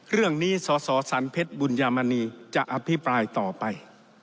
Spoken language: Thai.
เรื่องนี้สสสันเพชรบุญยามณีจะอภิปรายต่อไป